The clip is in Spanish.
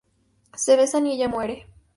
Se besan y ella muere.